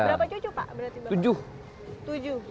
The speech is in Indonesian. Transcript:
berapa cucu pak berarti bapak